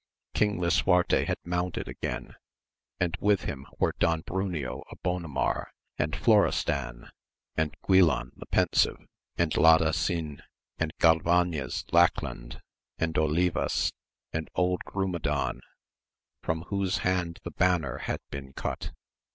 King Lisuarte had mounted again, and with him were Don Bruneo of Bonamar, and Florestan, and Guilan the Pensive, and Ladasin, and Galvanes Lackland, and Olivas, and old Grumedan, from whose hand the banner had been cut.